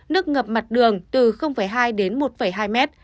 nước ngập mặt đường từ hai đến một hai mét